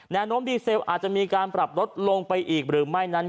แนวโน้มดีเซลอาจจะมีการปรับลดลงไปอีกหรือไม่นั้น